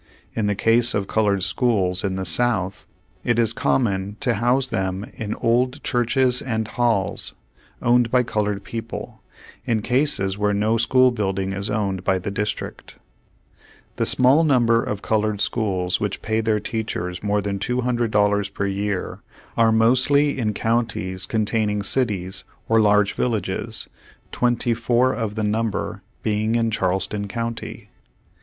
In the case of colored schools in the South, it is common to house them in old churches and halls, owned by colored people, in cases where no school building is owned by the district. Page One Hundred ninety seven The small number of colored schools which pay their teachers more than $200 per year, are mostly in counties containing cities, or large vil lages, 24 of the number being in Charleston County.